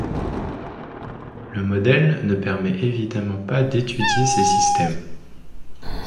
Le modèle ne permet évidemment pas d'étudier ces systèmes.